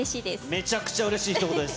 めちゃくちゃうれしいひと言です。